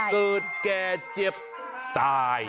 ตืดแก่เจ็บตาย